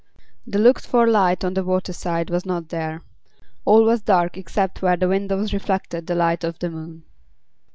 The looked for light on the waterside was not there. All was dark except where the windows reflected the light of the moon.